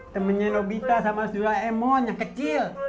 temennya nobita sama doraemon yang kecil